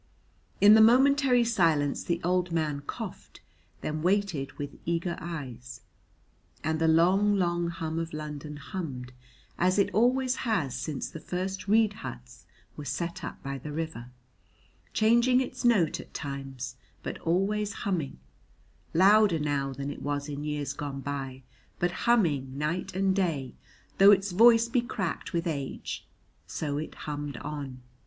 In the momentary silence the old man coughed, then waited with eager eyes; and the long long hum of London hummed as it always has since first the reed huts were set up by the river, changing its note at times but always humming, louder now than it was in years gone by, but humming night and day though its voice be cracked with age; so it hummed on.